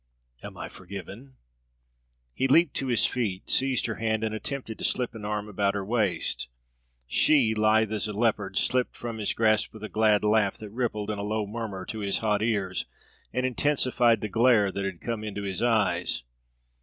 Am I forgiven?" He leaped to his feet, seized her hand, and attempted to slip an arm about her waist. She, lithe as a leopard, slipped from his grasp with a glad laugh that rippled in a low murmur to his hot ears, and intensified the glare that had come into his eyes.